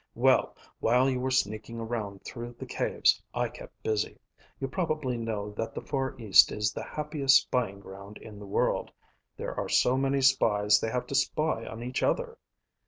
"Well, while you were sneaking around through the caves, I kept busy. You probably know that the Far East is the happiest spying ground in the world. There are so many spies they have to spy on each other."